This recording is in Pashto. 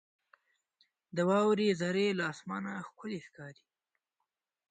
• د واورې ذرې له اسمانه ښکلي ښکاري.